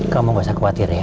kamu gak usah khawatir ya